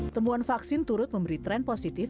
temuan vaksin turut memberi tren positif